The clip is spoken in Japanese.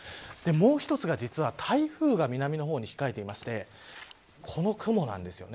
もう一つが台風が南の方に控えていてこの雲なんです。